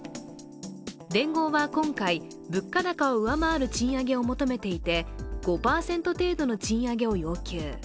連合は今回、物価高を上回る賃上げを求めていて５％程度の賃上げを要求。